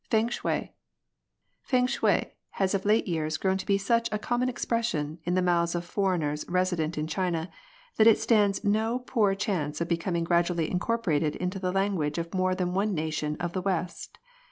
F&NG SHUL "FfiNG SHUi" has of late years grown to be sucli a common expression in the mouths of foreigners resi dent in China that it stands no poor chance of becom ing gradually incorporated in the languages of more than one nation of the West.